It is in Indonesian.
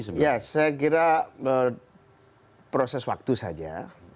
ya saya kira proses waktu saja